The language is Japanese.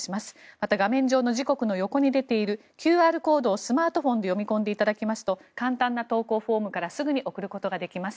また、画面上の時刻の横に出ているＱＲコードをスマートフォンで読み込んでいただきますと簡単な投稿フォームからすぐに送ることができます。